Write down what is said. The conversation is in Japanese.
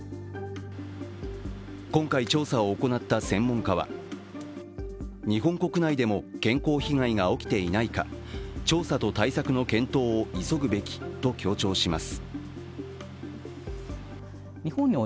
今回、調査を行った専門家は日本国内でも健康被害が起きていないか、調査と対策の検討を急ぐべきと強調します。